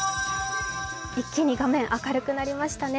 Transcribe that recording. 一気に画面、明るくなりましたね。